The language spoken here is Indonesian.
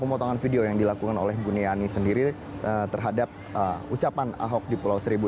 pemotongan video yang dilakukan oleh buniani sendiri terhadap ucapan ahok di pulau seribu